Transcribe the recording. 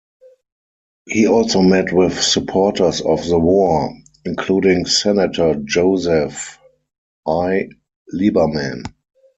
He also met with supporters of the war, including Senator Joseph I. Lieberman.